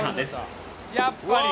やっぱり！